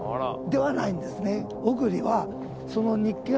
ではないんですね。